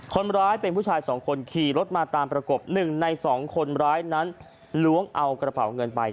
คนร้ายเป็นผู้ชายสองคนขี่รถมาตามประกบ๑ใน๒คนร้ายนั้นล้วงเอากระเป๋าเงินไป